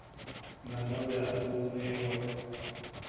Nama bea juʼuneewak.